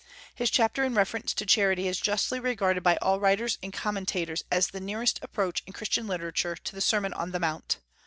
His chapter in reference to charity is justly regarded by all writers and commentators as the nearest approach in Christian literature to the Sermon on the Mount.